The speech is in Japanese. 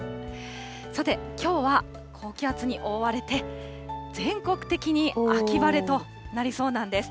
さて、きょうは高気圧に覆われて、全国的に秋晴れとなりそうなんです。